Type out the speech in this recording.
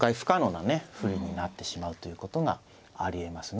不利になってしまうということがありえますね。